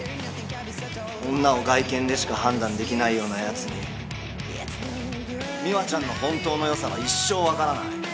女を外見でしか判断できないようなやつに美和ちゃんの本当のよさは一生分からない。